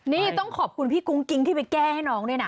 นี่ต้องขอบคุณพี่กุ้งกิ๊งที่ไปแก้ให้น้องด้วยนะ